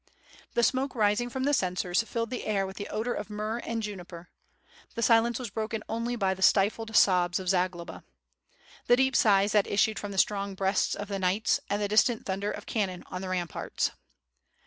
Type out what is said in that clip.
The smoke rising from the censors filled the air with the odor of myrrh and juniper. The silence was broken only by \\\Q stifled sobs of Zagloba. The deep siglis that issued from the strong breasts of the knights, and the distant thunder of cannon on the ramparts.